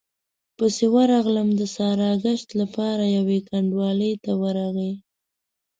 پسې ورغلم، د ساراګشت له پاره يوې کنډوالې ته ورغی،